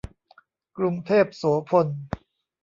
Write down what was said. กรุงเทพโสภณ